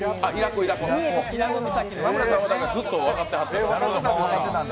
田村さんずっと分かってはったわ。